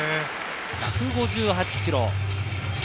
１５８キロ。